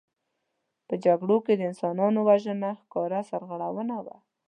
په جګړو کې د انسانانو وژنه ښکاره سرغړونه وه.